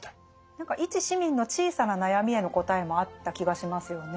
何か一市民の小さな悩みへの答えもあった気がしますよね。